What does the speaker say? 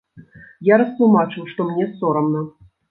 Я растлумачыў, што мне сорамна.